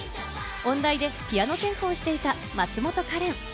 音大でピアノ専攻していた松本かれん。